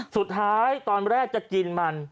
สุดท้ายตอนแรกจะกินมัน